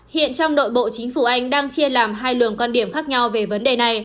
hiện trong nội bộ chính phủ anh đang chia làm hai luồng quan điểm khác nhau về vấn đề này